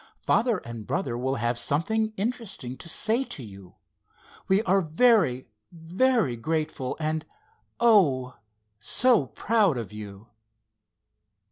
Father and brother will have something interesting to say to you. We are very, very grateful—and, oh, so proud of you!"